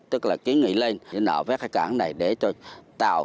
tức là ký nghị lên nợ phép cái cảng này để tôi tạo